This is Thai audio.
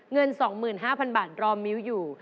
เงิน๒๕๐๐บาทรอมิ้วอยู่